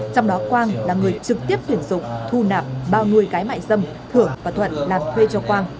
trong đó quang là người trực tiếp tuyển dụng thu nạp bao nuôi cái mại dâm thưởng và thuận làm thuê cho quang